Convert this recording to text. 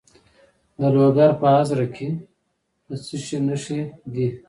د لوګر په ازره کې د څه شي نښې دي؟